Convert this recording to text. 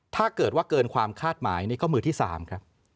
ถ้าเกิดว่าเกินความคาดหมายนี่ก็มือที่๓ครับ